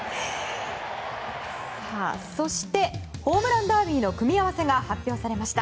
そしてホームランダービーの組み合わせ発表されました。